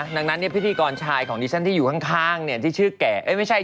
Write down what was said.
ดังนั้นพิธีกรชายของดิฉันที่อยู่ข้างที่ชื่อแก่